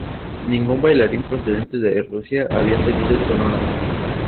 Ningún bailarín procedente de Rusia había tenido este honor antes.